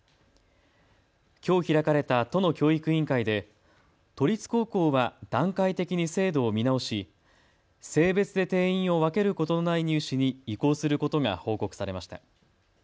きょう開かれた都の教育委員会で都立高校は段階的に制度を見直し、性別で定員を分けることのない入試に移行することが報告されました。